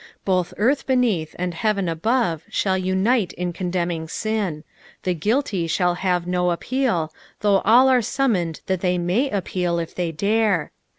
Both earth beneath and heaven above shall unite in condemning sin ; the guilty shall have no appeal, though all are summoned that they may appeal if they dare.